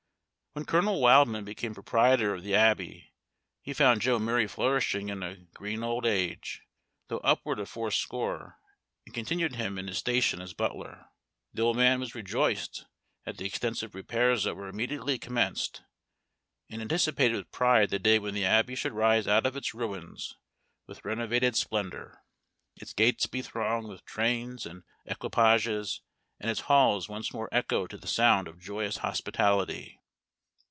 When Colonel Wildman became proprietor of the Abbey he found Joe Murray flourishing in a green old age, though upward of fourscore, and continued him in his station as butler. The old man was rejoiced at the extensive repairs that were immediately commenced, and anticipated with pride the day when the Abbey should rise out of its ruins with renovated splendor, its gates be thronged with trains and equipages, and its halls once more echo to the sound of joyous hospitality.